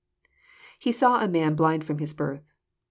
IBe saw a man., Mind from his birth.'